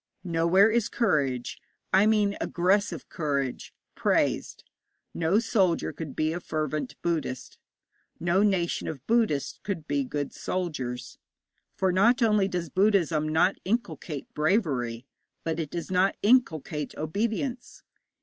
Nowhere is courage I mean aggressive courage praised. No soldier could be a fervent Buddhist; no nation of Buddhists could be good soldiers; for not only does Buddhism not inculcate bravery, but it does not inculcate obedience.